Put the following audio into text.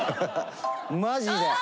マジで。